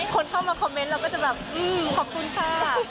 คนเข้ามาคอมเมนต์เราก็จะแบบขอบคุณค่ะ